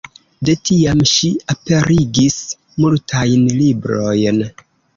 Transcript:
De tiam ŝi aperigis multajn librojn.